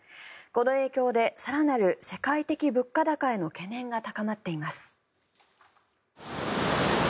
この影響で更なる世界的物価高への懸念が高まっています。